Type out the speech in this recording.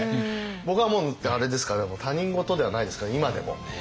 僕はもうだってあれですから他人事ではないですから今でも。